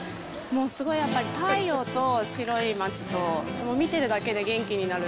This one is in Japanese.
すごい、やっぱり太陽と白い街と、見てるだけで元気になる。